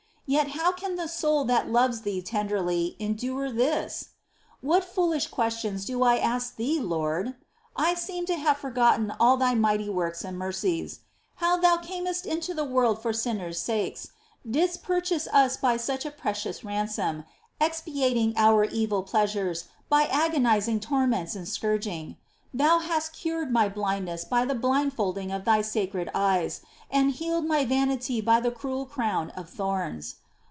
Yet, how can the soul that loves Thee tenderly endure this ? 5. What foolish questions do I ask Thee, Lord ! I seem to have forgotten all Thy mighty works and mercies — how Thou camest into the world for sinners' sakes, 2 Ps. iv. 3 : Filii hominum, usquequo gravi corde ? 3 Way of Perf., ch. xl. 7. 6 82 MINOR WORKS OF ST. TERESA. didst purchase us by such a precious ransom, expiating our evil pleasures by agonising torments and scourging; Thou hast cured my blindness by the blindfolding of Thy sacred eyes, and healed my vanity by the cruel crown of thorns.